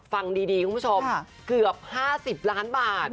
ฟังดีคุณผู้ชมเกือบ๕๐ล้านบาท